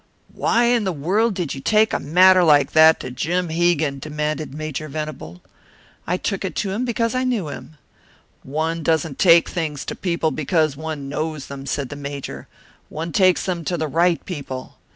"Why in the world did you take a matter like that to Jim Hegan?" demanded Major Venable. "I took it to him because I knew him," said Montague. "But one doesn't take things to people because one knows them," said the Major. "One takes them to the right people.